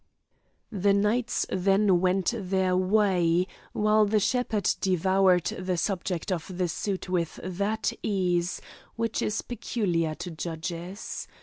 The knights then went their way, while the shepherd devoured the subject of the suit with that ease, which is peculiar to judges.